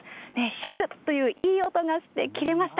しゃくっといういい音がして切れました。